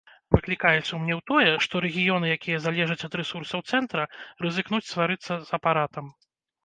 Выклікае сумнеў тое, што рэгіёны, якія залежаць ад рэсурсаў цэнтра, рызыкнуць сварыцца з апаратам.